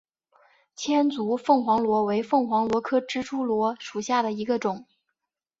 千足凤凰螺为凤凰螺科蜘蛛螺属下的一个种。